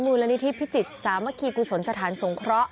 มูลนิธิพิจิตรสามัคคีกุศลสถานสงเคราะห